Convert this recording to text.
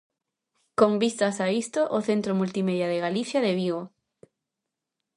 Con vistas a isto, o Centro Multimedia de Galicia de Vigo.